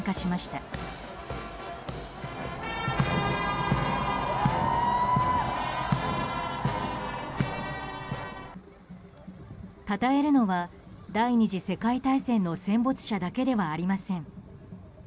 たたえるのは第２次世界大戦の戦没者だけではありません。